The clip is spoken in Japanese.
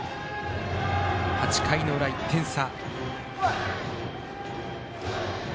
８回の裏、１点差。